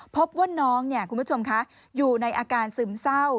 พบว่าน้องอยู่ในอาการซึมเศร้า